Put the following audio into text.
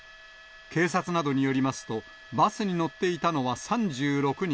警察などによりますと、バスに乗っていたのは３６人。